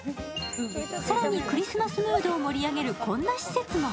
更にクリスマスムードを盛り上げる、こんな施設も。